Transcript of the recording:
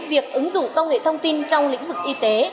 việc ứng dụng công nghệ thông tin trong lĩnh vực y tế